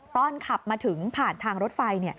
ตอนขับมาถึงผ่านทางรถไฟ